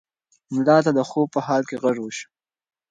ملا ته د خوب په حال کې غږ وشو.